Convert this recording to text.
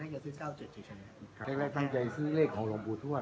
อยู่กับรถไฟ